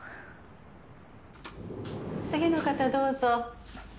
次の方どうぞ。